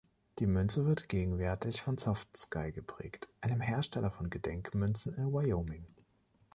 Die Münze wird gegenwärtig von SoftSky geprägt, einem Hersteller von Gedenkmünzen in Wyoming.